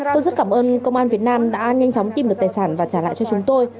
tôi rất cảm ơn công an việt nam đã nhanh chóng tìm được tài sản và trả lại cho chúng tôi